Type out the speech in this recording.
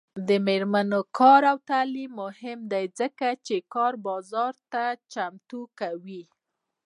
د میرمنو کار او تعلیم مهم دی ځکه چې کار بازار ته چمتو کوي.